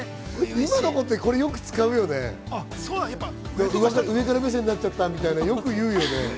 今の子ってよくこれ使うよね、上から目線になっちゃったってよく言うよね。